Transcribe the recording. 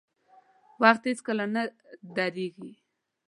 • وخت هیڅکله نه درېږي.